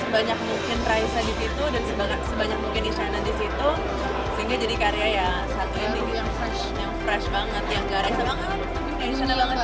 sebanyak mungkin raisa di situ dan sebanyak mungkin isyana di situ sehingga jadi karya yang satu yang fresh banget yang gak raisa banget yang isyana banget juga